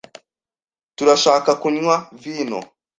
Turashaka kunywa vino.